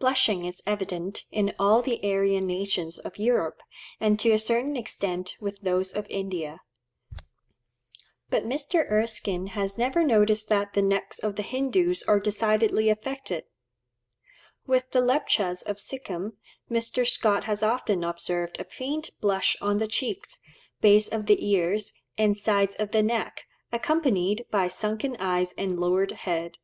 Blushing is evident in all the Aryan nations of Europe, and to a certain extent with those of India. But Mr. Erskine has never noticed that the necks of the Hindoos are decidedly affected. With the Lepchas of Sikhim, Mr. Scott has often observed a faint blush on the cheeks, base of the ears, and sides of the neck, accompanied by sunken eyes and lowered head.